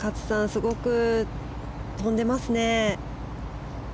すごく飛んでますね。